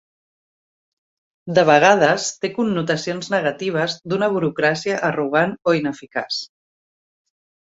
De vegades té connotacions negatives d'una burocràcia arrogant o ineficaç.